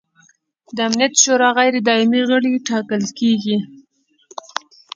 د امنیت شورا غیر دایمي غړي ټاکل کیږي.